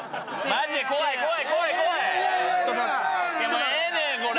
もうええねんこれ！